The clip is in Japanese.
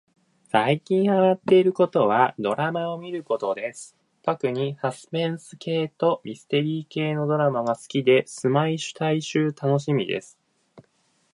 さいきんはまってることはどらまをみることですとくにさすぺんすけいとみすてりーけいのどらまがすきですまいしゅうたのしみです